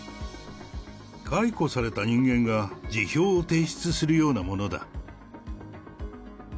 解雇された人間が辞表を提出するようなものだ。